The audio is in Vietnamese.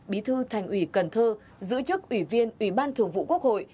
bí thư thành ủy cần thơ giữ chức ủy viên ủy ban thường vụ quốc hội